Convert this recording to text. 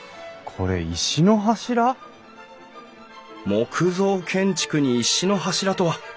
木造建築に石の柱とは！